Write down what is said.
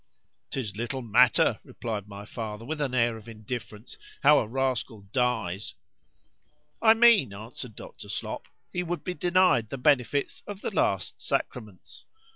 ——'Tis little matter, replied my father, with an air of indifference,—how a rascal dies.—I mean, answered Dr. Slop, he would be denied the benefits of the last sacraments.